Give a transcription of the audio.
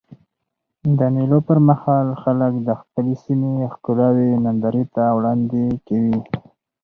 د مېلو پر مهال خلک د خپلي سیمي ښکلاوي نندارې ته وړاندي کوي.